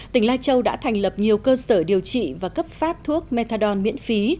tỉnh lai châu đã thành lập nhiều cơ sở điều trị và cấp phát thuốc methadon miễn phí